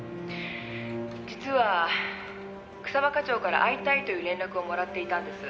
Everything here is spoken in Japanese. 「実は草葉課長から会いたいという連絡をもらっていたんです」